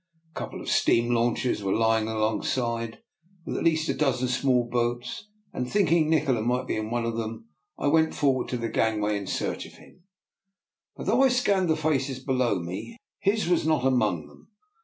A couple of steam launches were lying alongside, with at least a dozen small boats; and thinking Ni kola might be in one of them, I went forward to the gangway in search of him, but though I scanned the faces below me, his was not I \\ DR. NIKOLA'S EXPERIMENT. 127 among them.